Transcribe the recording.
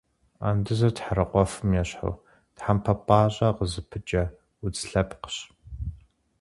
Андызыр тхьэрыкъуэфым ещхьу, тхьэмпэ пӏащӏэ къызыпыкӏэ удз лъэпкъщ.